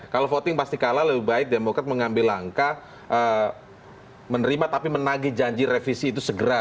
kalau voting pasti kalah lebih baik demokrat mengambil langkah menerima tapi menagi janji revisi itu segera